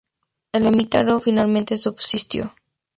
El emirato, finalmente, subsistió.